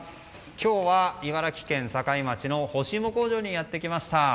今日は、茨城県境町の干し芋工場にやってきました。